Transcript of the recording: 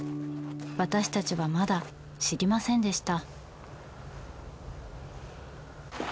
私たちはまだ知りませんでした。